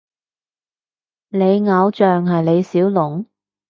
你偶像係李小龍？